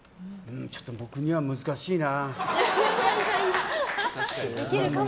ちょっと僕には難しいな。